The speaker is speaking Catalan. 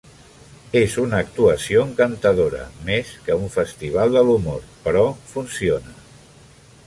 És una actuació encantadora més que un festival de l'humor, però funciona.